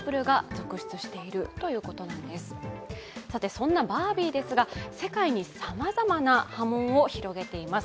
そんな「バービー」ですが、世界にさまざまな波紋を広げています。